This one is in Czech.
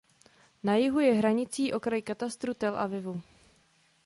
Na jihu je hranicí okraj katastru Tel Avivu.